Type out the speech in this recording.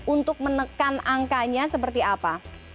untuk menekan angkanya seperti apa